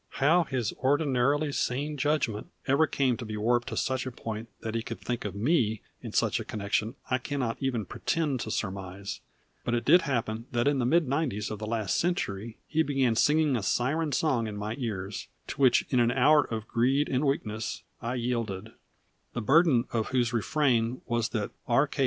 How his ordinarily sane judgment ever came to be warped to such point that he could think of me in such a connection I cannot even pretend to surmise; but it did happen that in the mid nineties of the last century he began singing a siren song in my ears, to which in an hour of greed and weakness I yielded, the burden of whose refrain was that R. K.